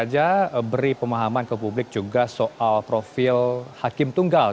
saya ingin segera saja beri pemahaman ke publik juga soal profil hakim tunggal